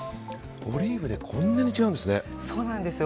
オリーブでこんなに違うんですね。